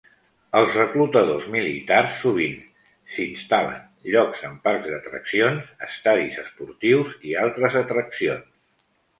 Els reclutadors militars sovint s'instal·len llocs en parcs d'atraccions, estadis esportius i altres atraccions.